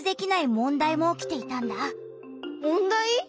問題？